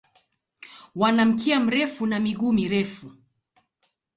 Wana mkia mrefu na miguu mirefu.